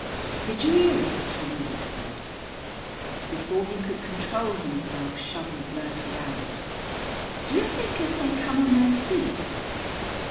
"Did you hear it?" Tommy whispered. Before he could control himself Shovel blurted out: "Do you think as they come on their feet?"